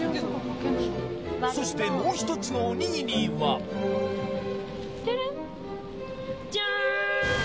そしてもう１つのおにぎりはジャン！